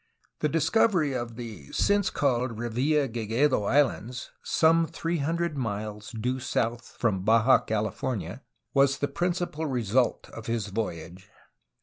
The discovery of the (since called) Revilla Gigedo Islands, some three hundred miles due south from Baja California, was the principal result of his voyage.